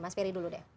mas ferry dulu deh